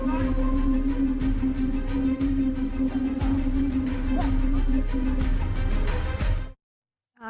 อ่า